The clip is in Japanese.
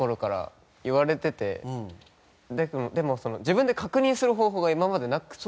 でも自分で確認する方法が今までなくて。